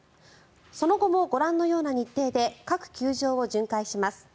その後もご覧のような日程で各球場を巡回します。